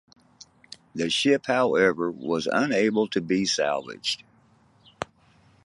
The ship however, was unable to be salvaged.